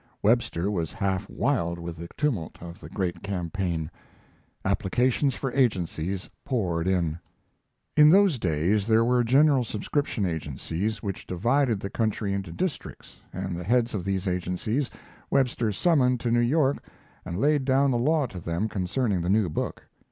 Webster was half wild with the tumult of the great campaign. Applications for agencies poured in. In those days there were general subscription agencies which divided the country into districts, and the heads of these agencies Webster summoned to New York and laid down the law to them concerning the new book.